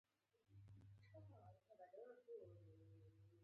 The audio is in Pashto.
د یوه کیسه لیکوال په توګه ځان منلی و.